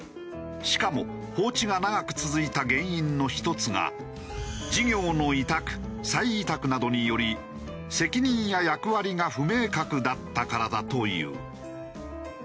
しかも放置が長く続いた原因の１つが事業の委託再委託などにより責任や役割が不明確だったからだという。